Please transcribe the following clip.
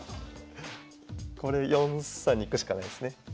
これ４三に行くしかないですね。